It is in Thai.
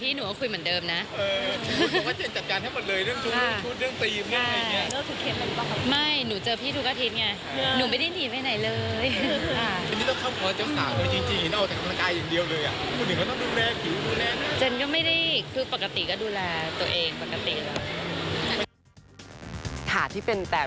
พี่หนูเนี่ยเจอพี่ทุกอาทิตย์